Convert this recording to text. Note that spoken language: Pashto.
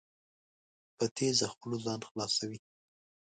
په تېزه خوله ځان خلاصوي.